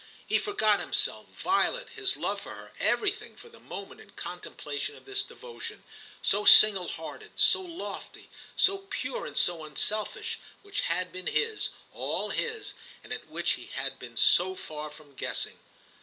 He forgot himself, Violet, his love for her, everything for the moment in contemplation of this devotion, so single hearted, so lofty, so pure and so unselfish, which had been his, all his, and at which he had been so far from guessing.